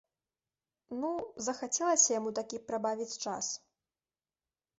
Ну, захацелася яму такі прабавіць час.